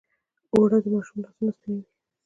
اوړه د ماشوم لاسونه سپینوي